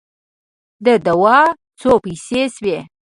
د دوا څو پیسې سوې؟